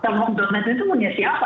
telpon net itu punya siapa